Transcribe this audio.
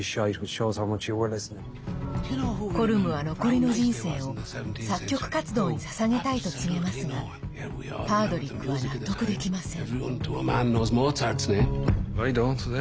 コルムは残りの人生を作曲活動にささげたいと告げますがパードリックは、納得できません。